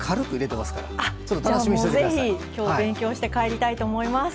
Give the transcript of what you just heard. じゃあもう是非きょう勉強して帰りたいと思います。